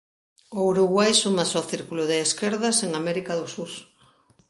O Uruguai súmase ao círculo de esquerdas en América do Sur